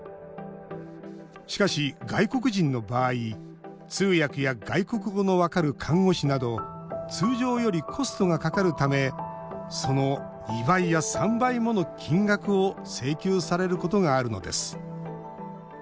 しかし、外国人の場合通訳や外国語の分かる看護師など通常よりコストがかかるためその２倍や３倍もの金額を請求されることがあるのです。